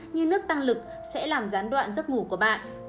như nước tăng lực sẽ làm gián đoạn giấc ngủ của bạn